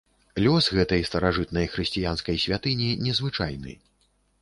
Лёс гэтай старажытнай хрысціянскай святыні незвычайны.